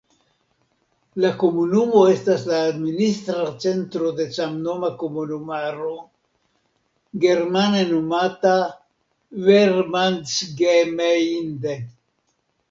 La komunumo estas la administra centro de samnoma komunumaro, germane nomata "Verbandsgemeinde".